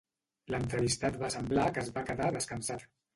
L'entrevistat va semblar que es va quedar descansat.